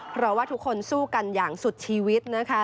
เพราะว่าทุกคนสู้กันอย่างสุดชีวิตนะคะ